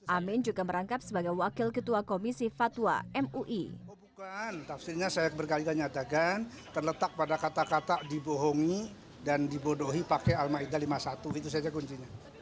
amin juga merangkap sebagai wakil ketua komisi fatwa mui